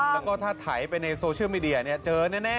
แล้วก็ถ้าถ่ายไปในโซเชียลมีเดียเจอแน่